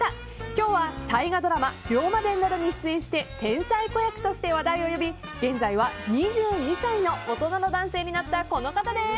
今日は大河ドラマ「龍馬伝」などに出演して天才子役として話題を呼び現在は２２歳の大人の男性になったこの方です。